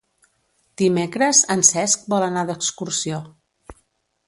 Dimecres en Cesc vol anar d'excursió.